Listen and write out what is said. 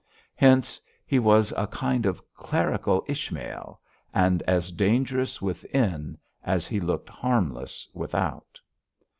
Hence he was a kind of clerical Ishmael, and as dangerous within as he looked harmless without.